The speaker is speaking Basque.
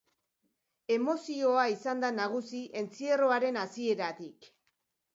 Emozioa izan da nagusi entzierroaren hasieratik.